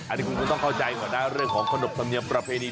อันนี้คุณก็ต้องเข้าใจก่อนนะเรื่องของขนบธรรมเนียมประเพณี